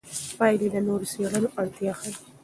پایلې د نورو څېړنو اړتیا ښيي.